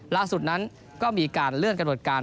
ล่าสุดนั้นก็มีการเลื่อนกำหนดการ